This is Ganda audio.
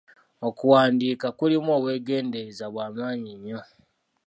Okuwandiika kulimu obwegendereza bwa maanyi nnyo!